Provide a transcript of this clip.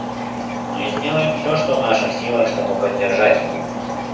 Мы сделаем все, что в наших силах, чтобы поддержать его.